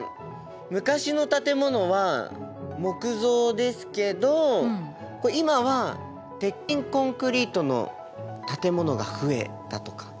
昔の建物は木造ですけど今は鉄筋コンクリートの建物が増えたとか？